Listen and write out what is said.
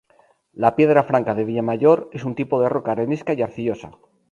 La piedra franca de Villamayor es un tipo de roca arenisca y arcillosa.